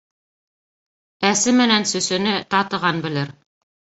Әсе менән сөсөнө татыған белер